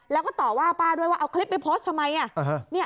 แล้วก็ต่อว่าป้าด้วยว่าเอาคลิปไปโพสต์ทำไม